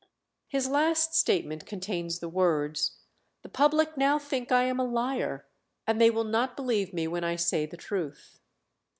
His last statement contains the words, "The public now think I am a liar, and they will not believe me when I say the truth."